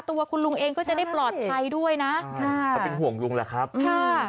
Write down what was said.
ตัวคุณลุงเองก็จะได้ปลอดภัยด้วยนะค่ะก็เป็นห่วงลุงแหละครับค่ะ